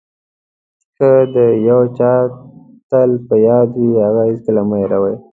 که د یو چا تل په یاد وئ هغه هېڅکله مه هیروئ.